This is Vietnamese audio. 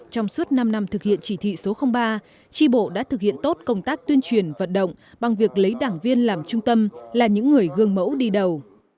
trong suốt năm năm thực hiện chỉ thị số ba tri bộ đã thực hiện tốt công tác tuyên truyền vận động bằng việc lấy đảng viên làm trung tâm là những người gương mẫu đi đầu